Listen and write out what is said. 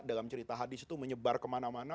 dalam cerita hadis itu menyebar kemana mana